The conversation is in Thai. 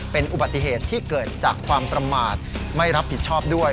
เป็นอุบัติเหตุที่เกิดจากความประมาทไม่รับผิดชอบด้วย